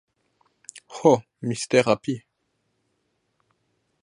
Ho, mistera pi!